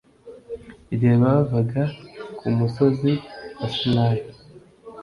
Igihe bavaga ku musozi wa sinayi